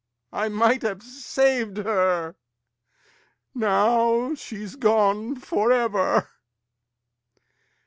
I might have sav'd her; now she's gone for ever!